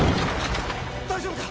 「大丈夫か？